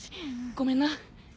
ごめんな。